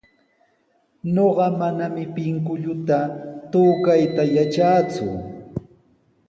Ñuqa manami pinkulluta tukayta yatraaku.